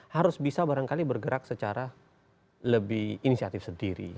harus bisa barangkali bergerak secara lebih inisiatif sendiri